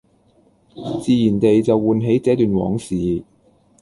自然地就喚起這段往事